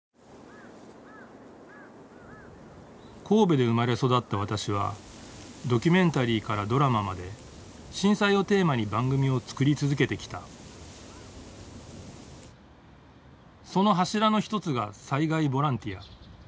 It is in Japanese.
神戸で生まれ育った私はドキュメンタリーからドラマまで震災をテーマに番組を作り続けてきたその柱の一つが災害ボランティア。